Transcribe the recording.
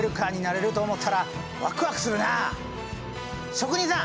職人さん！